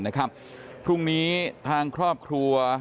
ถึงพรุ่งนี้แทนครอบครัว